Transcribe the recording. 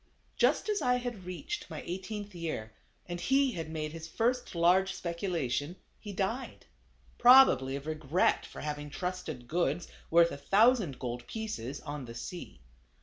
Just as I had reached my eighteenth year, and he had made his first large speculation, he died; probably of regret for having trusted goods, worth a thousand gold pieces, on the sea.